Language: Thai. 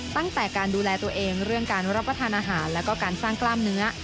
ตั้งแต่การดูแลตัวเองเรื่องการรับประทานอาหารแล้วก็การสร้างกล้ามเนื้อ